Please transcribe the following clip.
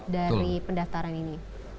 dari pendaftaran ini